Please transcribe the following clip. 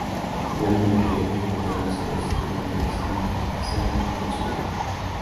Finalmente encuentra la zona segura de Alexandria y se reúne con su viejo amigo.